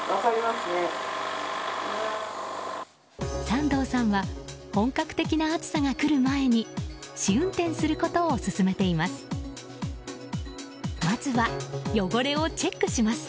山藤さんは本格的な暑さが来る前に試運転することを勧めています。